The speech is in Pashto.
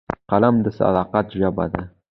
قلم د صداقت ژبه ده